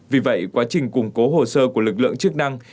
vì vậy quá trình củng cố hồ sơ của lực lượng chức năng